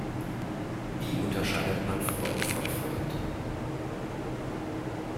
Wie unterscheidet man Freund von Feind?